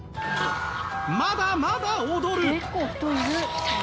まだまだ踊る！